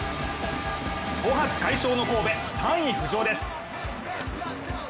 ５発快勝の神戸、３位浮上です。